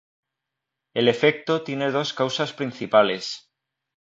El efecto tiene dos causas principales.